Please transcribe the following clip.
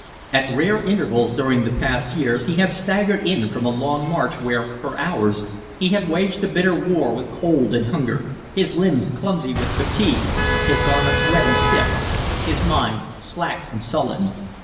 At rare intervals during the past years he had staggered in from a long march where, for hours, he had waged a bitter war with cold and hunger, his limbs clumsy with fatigue, his garments wet and stiff, his mind slack and sullen.